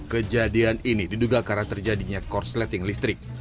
kejadian ini diduga karena terjadinya korsleting listrik